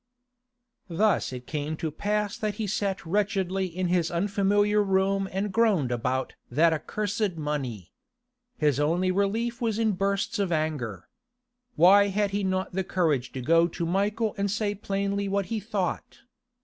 Thus it came to pass that he sat wretchedly in his unfamiliar room and groaned about 'that accursed money.' His only relief was in bursts of anger. Why had he not the courage to go to Michael and say plainly what he thought?